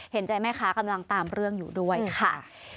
เห็นใจแม่ค้ากำลังตามเรื่องอยู่ด้วยค่ะ